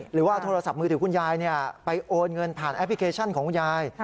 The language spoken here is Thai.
หรือว่าเอาโทรศัพท์มือถือคุณยายไปโอนเงินผ่านแอปพลิเคชันของคุณยาย